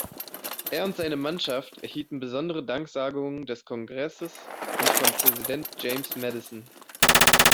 Er und seine Mannschaft erhielten besondere Danksagungen des Kongresses und von Präsident James Madison.